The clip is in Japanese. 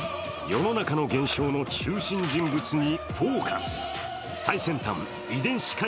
世の中の現象の中心人物に「ＦＯＣＵＳ」。